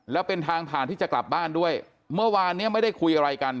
แล้วเป็นทางผ่านที่จะกลับบ้านด้วยเมื่อวานเนี้ยไม่ได้คุยอะไรกัน